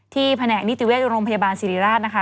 ที่แผนแหกนิติเวียกโรงพยาบาลศิริราชนะคะ